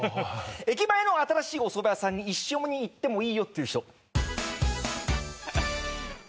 駅前の新しいおそば屋さんに一緒に行ってもいいよっていう人。